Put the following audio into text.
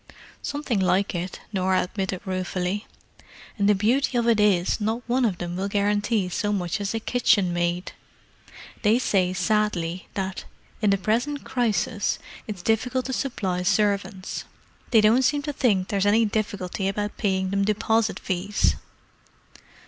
"Something like it," Norah admitted ruefully. "And the beauty of it is, not one of them will guarantee so much as a kitchenmaid. They say sadly that 'in the present crisis' it's difficult to supply servants. They don't seem to think there's any difficulty about paying them deposit fees."